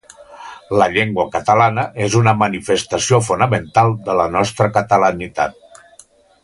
La llengua catalana és una manifestació fonamental de la nostra catalanitat.